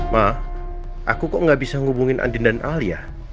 ma aku kok nggak bisa hubungin andien dan ali